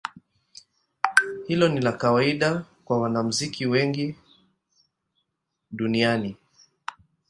Hilo ni la kawaida kwa wanamuziki wengi duniani.